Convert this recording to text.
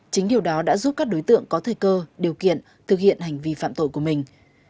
chính điều đó đã giúp các đối tượng có thời cơ điều kiện thực hiện hành vi phạm tội của mình